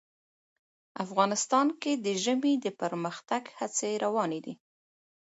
افغانستان کې د ژمی د پرمختګ هڅې روانې دي.